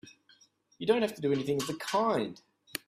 You don't have to do anything of the kind!